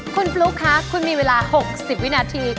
คุณปลุ๊กคะคุณมีเวลา๖๐วินาที